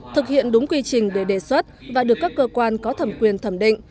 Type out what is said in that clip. thực hiện đúng quy trình để đề xuất và được các cơ quan có thẩm quyền thẩm định